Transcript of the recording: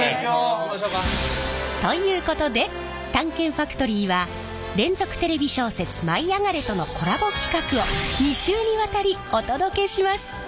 行きましょか。ということで「探検ファトリー」は連続テレビ小説「舞いあがれ！」とのコラボ企画を２週にわたりお届けします！